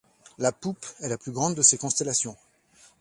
La Poupe est la plus grande de ces constellations.